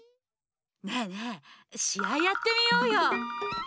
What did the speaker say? ねえねえしあいやってみようよ！